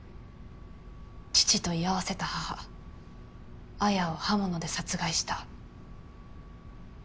父と居合わせた母・彩を刃物で殺害した。